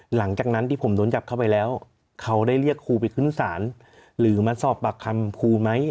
หลังจากนั้นที่ผมโดนจับเข้าไปแล้วเขาได้เรียกครูไปขึ้นศาลหรือมาสอบปากคำครูไหม